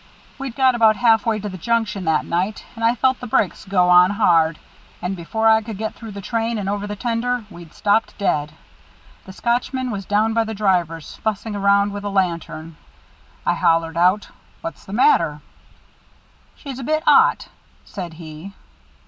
We'd got about halfway to the junction that night, and I felt the brakes go on hard, and before I could get through the train and over the tender, we'd stopped dead. The Scotchman was down by the drivers fussing around with a lantern. I hollered out: "'What's the matter there?' "'She's a bit 'ot,' said he.